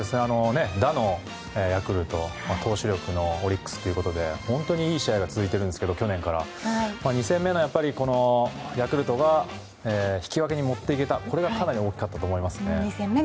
打のヤクルト投手力のオリックスということで本当に去年からいい試合が続いてるんですけど、２戦目のヤクルトが引き分けに持っていけたこれがかなり大きかったと思います。